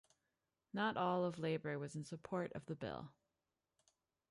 Not all of Labor was in support of the bill.